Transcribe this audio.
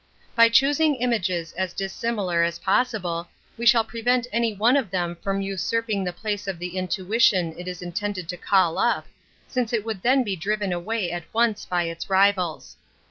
By choosing images as dissimilar as pos sible, we shall prevent any one of them from usurping the place of the intuition it is intended to call up, since it would then be driven away at once by its rivals.